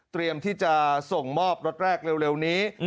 เตรียมที่จะส่งมอบรถแรกเร็วนี้